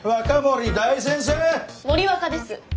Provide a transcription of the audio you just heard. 森若です。